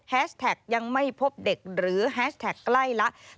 แท็กยังไม่พบเด็กหรือแฮชแท็กใกล้แล้ว